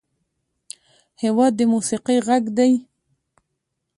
هېواد د موسیقۍ غږ دی.